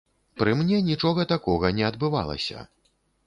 Пры мне нічога такога не адбывалася.